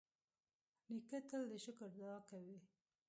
نیکه تل د شکر دعا کوي.